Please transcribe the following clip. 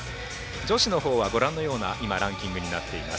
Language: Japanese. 女子の方はご覧のようなランキングになっています。